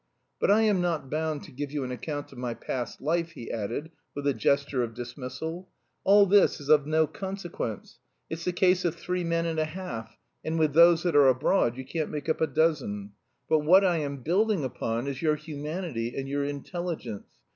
"But I am not bound to give you an account of my past life," he added, with a gesture of dismissal. "All this is of no consequence; it's the case of three men and a half, and with those that are abroad you can't make up a dozen. But what I am building upon is your humanity and your intelligence.